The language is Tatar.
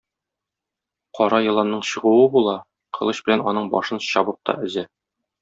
Кара еланның чыгуы була, кылыч белән аның башын чабып та өзә.